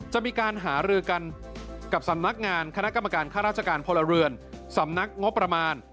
จะมีการหารือกันกับสำนักงานคณะกรรมการค่าราชการพลเรือนสำนักงบประมาณ